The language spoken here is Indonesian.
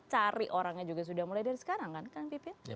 cari orangnya juga sudah mulai dari sekarang kan kang pipin